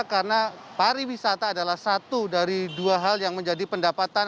karena pariwisata adalah satu dari dua hal yang menjadi pendapatan